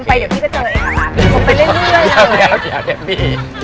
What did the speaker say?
ผมไปเร่ยเลย